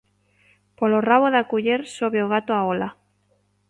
Polo rabo da culler sobe o gato á ola.